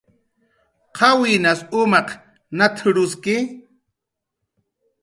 "¿Qawinas umaq nat""ruski?"